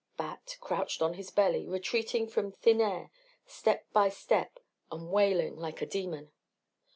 Bat, crouched on his belly, retreating from thin air step by step and wailing like a demon.